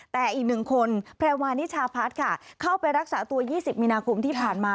แต่อีกหนึ่งคนแพรวานิชาพัฒน์ค่ะเข้าไปรักษาตัว๒๐มีนาคมที่ผ่านมา